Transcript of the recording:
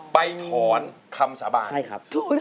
ไปถอนคำสาบาน